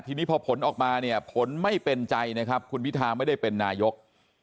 ทีนี้พอผลออกมาเนี่ยผลไม่เป็นใจนะครับคุณพิธาไม่ได้เป็นนายก